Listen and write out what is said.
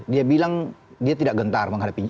dia bilang dia tidak gentar menghadapi jerman